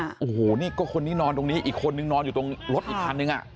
โอ้โหนี่ก็คนนี้นอนตรงนี้อีกคนนึงนอนอยู่ตรงรถอีกคันนึงอ่ะ